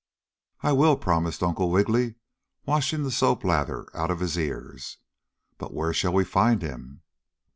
"I will," promised Uncle Wiggily, washing the soap lather out of his ears. "But where shall we find him?"